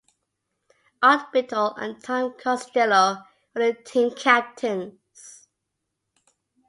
Art Bittel and Tom Costello were the team captains.